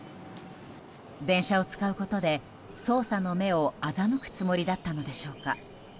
電車を使うことで、捜査の目を欺くつもりだったのでしょうか。